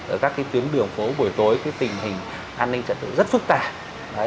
ở các tuyến đường phố buổi tối tình hình an ninh trật tự rất phức tạp